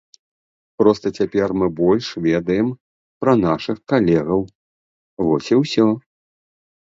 Проста цяпер мы больш ведаем пра нашых калегаў, вось і усё.